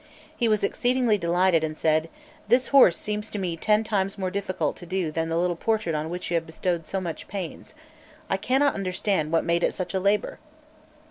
He was exceedingly delighted, and said: "This horse seems to me ten times more difficult to do than the little portrait on which you have bestowed so much pains. I cannot understand what made it such a labour."